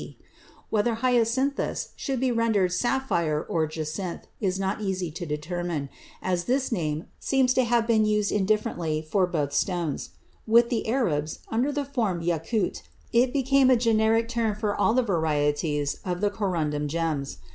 D. Whether hyacinthus should be rendered "sapphire" or "jacinth" is not easy to determine, as this name seems to have been used indifferently for both stones; with the Arabs, under the form yakut, it became a generic term for all the varieties of the corundum gems.